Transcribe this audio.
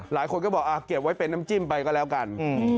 หลายคนก็บอกเก็บไว้เป็นน้ำจิ้มไปก็แล้วกัน